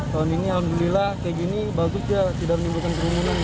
tahun ini alhamdulillah kayak gini bagus ya tidak menimbulkan kerumunan